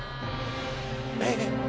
えっ？